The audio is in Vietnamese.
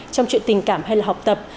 trong chuyện tình cảm hay là học tập